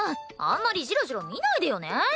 あんまりジロジロ見ないでよね。